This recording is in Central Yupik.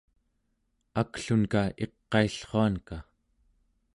aklunka iqaillruanka